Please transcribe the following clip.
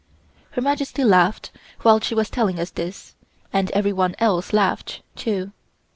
Her Majesty laughed while she was telling us this, and everyone else laughed, too.